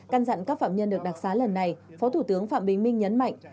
căn dặn các phạm nhân được đặc xá lần này phó thủ tướng phạm bình minh nhấn mạnh